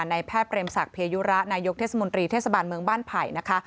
ในแพทย์เรมศักดิยุระนายกเทศมนตรีเทศบาลเมืองบ้านไผ่นะคะ